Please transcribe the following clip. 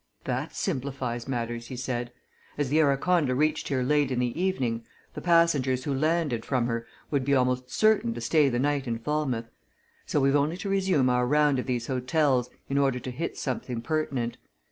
"That simplifies matters," he said. "As the Araconda reached here late in the evening, the passengers who landed from her would be almost certain to stay the night in Falmouth. So we've only to resume our round of these hotels in order to hit something pertinent.